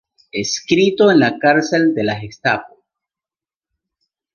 Escrito en la cárcel de la Gestapo.